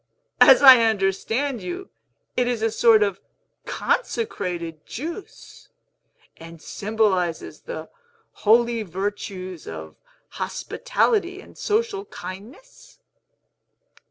As I understand you, it is a sort of consecrated juice, and symbolizes the holy virtues of hospitality and social kindness?"